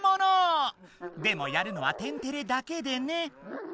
でもやるのは「天てれ」だけでね。